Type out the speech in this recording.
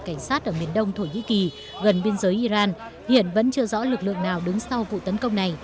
cảnh sát ở miền đông thổ nhĩ kỳ gần biên giới iran hiện vẫn chưa rõ lực lượng nào đứng sau vụ tấn công này